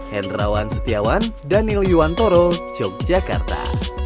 hendrawan setiawan daniel yuwantoro yogyakarta